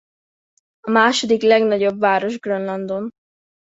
A második legnagyobb város Grönlandon.